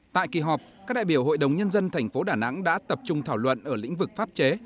tại kỳ họp các đại biểu hội đồng nhân dân thành phố đà nẵng đã tập trung thảo luận ở lĩnh vực pháp chế